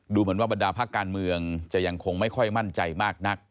เหมือนว่าบรรดาภาคการเมืองจะยังคงไม่ค่อยมั่นใจมากนัก